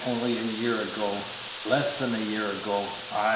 only a year ago, less than a year ago, ay!